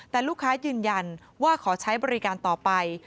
แต่ลูกค้ายืนยันว่าขอใช้บริการต่อไป